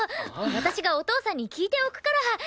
私がお父さんに聞いておくからここはねっ？